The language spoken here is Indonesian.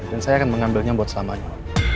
dan saya akan mengambilnya buat selamanya